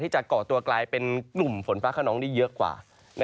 จะก่อตัวกลายเป็นกลุ่มฝนฟ้าขนองได้เยอะกว่า